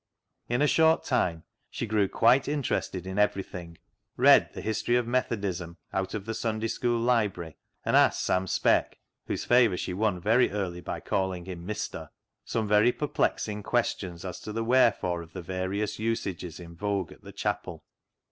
In a short time she grew quite interested in everything, read the History of Methodism out of the Sunday School Library, and asked Sam Speck (whose favour she won very early by calling him " Mister ") some very perplexing questions as to the wherefore of the various usages in vogue at the chapel.